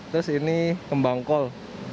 terus ini kembangkol